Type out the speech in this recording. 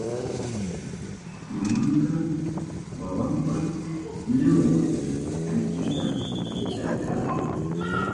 Mamanka wawanpa ñawi wikita picharka.